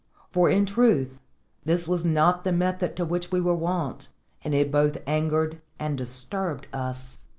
For, in truth, this was not the method to which we were wont, and it both angered and disturbed us.